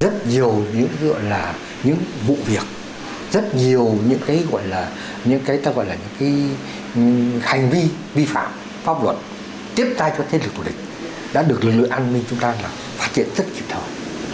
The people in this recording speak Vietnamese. rất nhiều những vụ việc rất nhiều những hành vi vi phạm pháp luật tiếp tay cho thế lực thủ địch đã được lực lượng an ninh chúng ta phát triển rất kịp thời